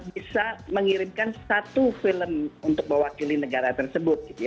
bisa mengirimkan satu film untuk mewakili negara tersebut